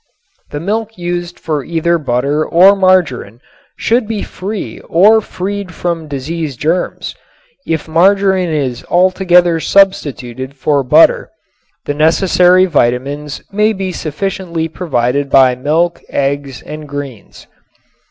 The milk used for either butter or margarin should be free or freed from disease germs. If margarin is altogether substituted for butter, the necessary vitamines may be sufficiently provided by milk, eggs and greens.